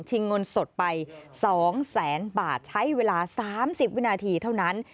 ทิ้งเงินสดไปสองแสนบาทใช้เวลาสามสิบวินาทีเท่านั้น